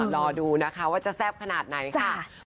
รอดูนะคะว่าจะแซ่บขนาดไหนค่ะ